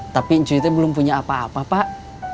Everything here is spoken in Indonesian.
tapi cuy itu belum punya apa apa pak